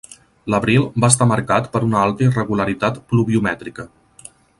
L'abril va estar marcat per una alta irregularitat pluviomètrica.